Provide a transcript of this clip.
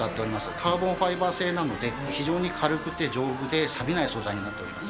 カーボンファイバー製なので、非常に軽くて丈夫でさびない素材になっております。